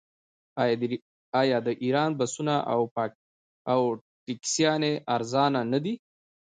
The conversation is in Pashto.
آیا د ایران بسونه او ټکسیانې ارزانه نه دي؟